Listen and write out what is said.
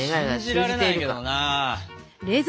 信じられないけどな。